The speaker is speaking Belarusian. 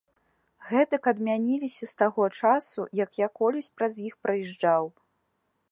Гэтак адмяніліся з таго часу, як я колісь праз іх праязджаў.